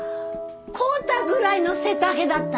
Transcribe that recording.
康太ぐらいの背丈だった。